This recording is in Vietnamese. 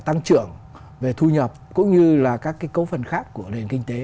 tăng trưởng về thu nhập cũng như là các cái cấu phần khác của nền kinh tế